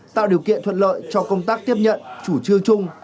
tạo điều kiện thuận lợi cho công tác tiếp nhận chủ trương chung